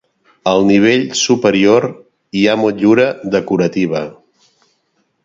Al nivell superior hi ha motllura decorativa.